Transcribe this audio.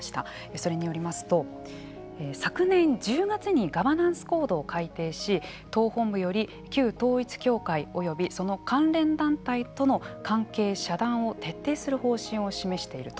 それによりますと昨年１０月にガバナンスコードを改訂し党本部より旧統一教会及びその関連団体との関係遮断を徹底する方針を示していると。